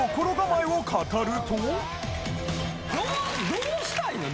どうしたいねん？